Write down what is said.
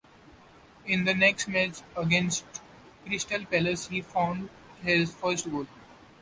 In the next match against Crystal Palace, he found his first goal.